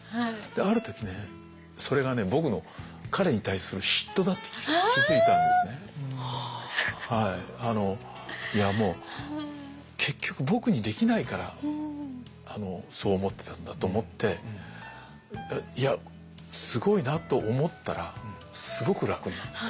ある時ねそれがね僕のいやもう結局僕にできないからそう思ってたんだと思っていやすごいなと思ったらすごく楽になった。